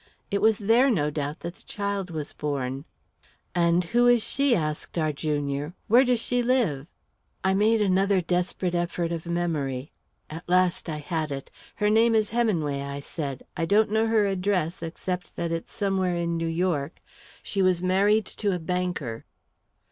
It was there, no doubt, that the child was born." "And who is she?" asked our junior. "Where does she live?" I made another desperate effort of memory. At last I had it. "Her name is Heminway," I said. "I don't know her address, except that it's somewhere in New York. She was married to a banker."